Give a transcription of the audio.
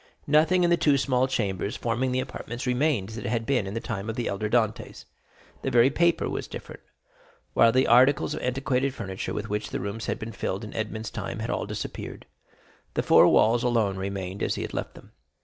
Nothing in the two small chambers forming the apartments remained as it had been in the time of the elder Dantès; the very paper was different, while the articles of antiquated furniture with which the rooms had been filled in Edmond's time had all disappeared; the four walls alone remained as he had left them.